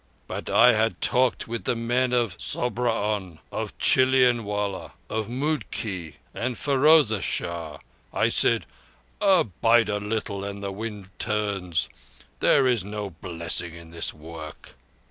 But I had talked with the men of Sobraon, of Chilianwallah, of Moodkee and Ferozeshah. I said: 'Abide a little and the wind turns. There is no blessing in this work.